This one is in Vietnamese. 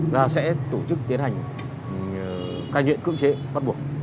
là sẽ tổ chức tiến hành cai nghiện cưỡng chế bắt buộc